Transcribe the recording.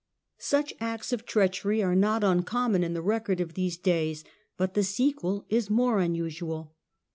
Such acts of treachery are not uncommon in the record of these days, but the sequel is more unusual.